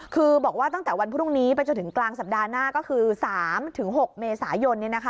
คือบอกว่าตั้งแต่วันพรุ่งนี้ไปจนถึงกลางสัปดาห์หน้าก็คือ๓๖เมษายน